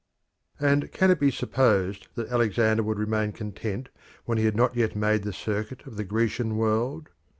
And can it be supposed that Alexander would remain content when he had not yet made the circuit of the Grecian world?